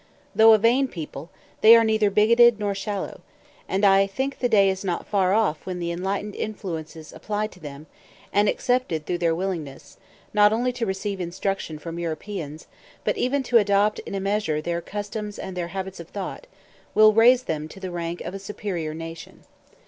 Though a vain people, they are neither bigoted nor shallow; and I think the day is not far off when the enlightening influences applied to them, and accepted through their willingness, not only to receive instruction from Europeans, but even to adopt in a measure their customs and their habits of thought, will raise them to the rank of a superior nation.